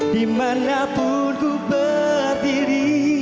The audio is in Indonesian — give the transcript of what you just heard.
dimana pun ku berdiri